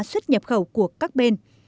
xuất nhập khẩu của các bên